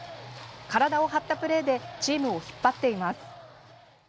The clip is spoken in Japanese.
体を張ったプレーでチームを引っ張っています。